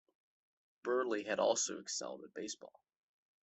Burley had also excelled at baseball.